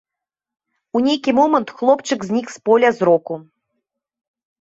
У нейкі момант хлопчык знік з поля зроку.